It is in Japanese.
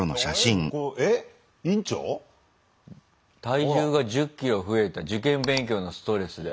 体重が１０ｋｇ増えた受験勉強のストレスで。